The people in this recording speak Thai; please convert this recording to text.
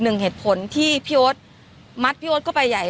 หลากหลายรอดอย่างเดียว